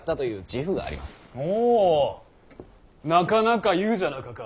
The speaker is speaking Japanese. ほうなかなか言うじゃなかか。